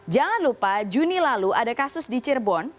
jangan lupa juni lalu ada kasus di cirebon